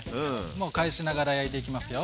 もう返しながら焼いていきますよ。